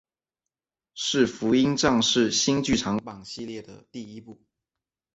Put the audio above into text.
是福音战士新剧场版系列的第一部。